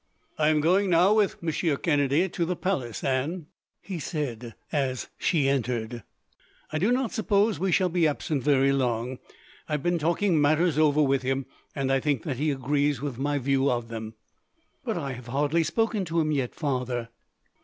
"I am going now, with Monsieur Kennedy, to the palace, Anne," he said, as she entered. "I do not suppose that we shall be absent very long. I have been talking matters over with him, and I think that he agrees with my view of them." "But I have hardly spoken to him, yet, father!"